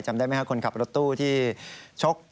จำได้ไหมครับคนขับรถตู้ที่ชก